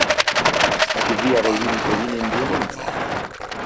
Ez dakit bihar euririk eginen duenetz.